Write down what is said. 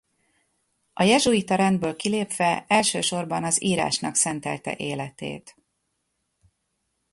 A jezsuita rendből kilépve elsősorban az írásnak szentelte életét.